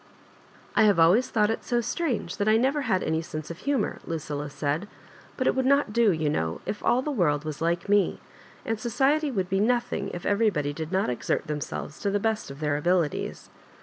" I have always thought it so strange that I never had any sense of humour," Lucilla said; "but it would not do, you know, if all the world was like me ; and society would be nothing if every body did not exert themselves to the best of iheir abilities.